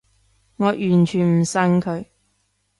我完全唔信佢